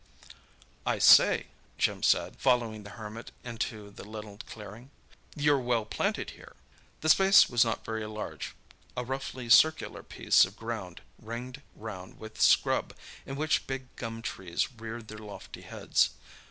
"I say," Jim said, following the Hermit into the little clearing, "you're well planted here!" The space was not very large—a roughly circular piece of ground, ringed round with scrub, in which big gum trees reared their lofty heads.